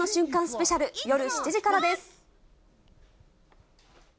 スペシャル、夜７時からです。